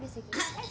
はい。